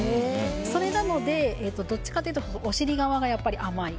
それなので、どっちかというとお尻側がやっぱり甘い。